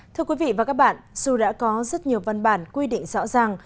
thưa quý vị và các bạn dù đã có rất nhiều văn bản quy định rõ ràng